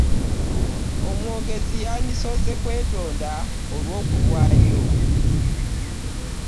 Omwogezi yandisoose kwetonda olw'okulwayo.